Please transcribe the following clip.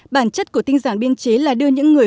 bản chất của tinh giản biên chế là đưa những người